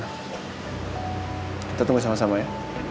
kita tunggu sama sama ya